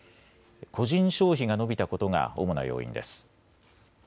個人消費が伸びたことが主な要因です。